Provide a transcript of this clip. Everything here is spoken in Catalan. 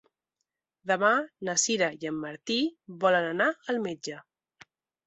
Demà na Sira i en Martí volen anar al metge.